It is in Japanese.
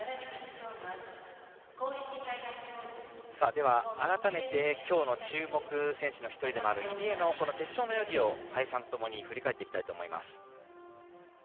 では、改めて今日の注目選手の一人でもある入江の決勝の泳ぎを林さんとともに振り返っていきたいと思います。